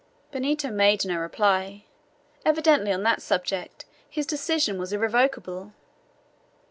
Benito made no reply. Evidently on that subject his decision was irrevocable.